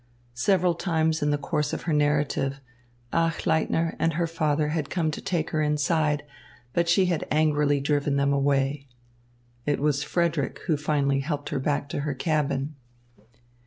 Several times in the course of her narrative, Achleitner and her father had come to take her inside, but she had angrily driven them away. It was Frederick who finally helped her back to her cabin.